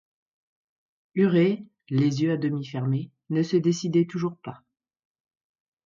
Huret, les yeux à demi fermés, ne se décidait toujours pas.